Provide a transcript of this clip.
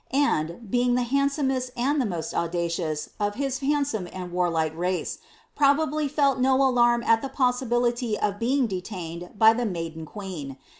and, being ilw hanilsomeil and (he mast audacious, nf his handsome and warlihe rar«, probably fell no alvm at the piissibitiiy of being detained by the maidea queen.